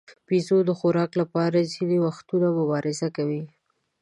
بیزو د خوراک لپاره ځینې وختونه مبارزه کوي.